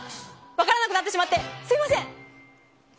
分からなくなってしまってすみません。